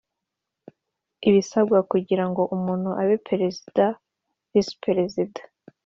ibisabwa kugira ngo umuntu abe Perezida, Visi Perezida